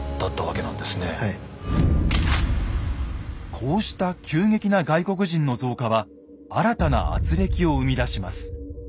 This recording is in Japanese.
こうした急激な外国人の増加は新たな軋轢を生み出します。